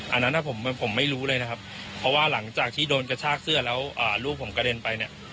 อันนั้นผมไม่รู้เลยนะครับเพราะว่าหลังจากที่โดนกระชากเสื้อแล้วลูกผมกระเด็นไปเนี่ย